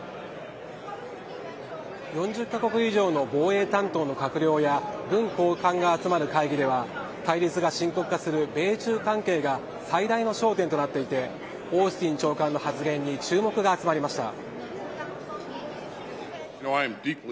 ４０カ国以上の防衛担当の閣僚や軍高官が集まる会議では対立が深刻化する米中関係が最大の焦点となっていてオースティン長官の発言に注目が集まりました。